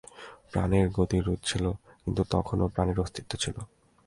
প্রাণের গতি রুদ্ধ ছিল, কিন্তু তখনও প্রাণের অস্তিত্ব ছিল।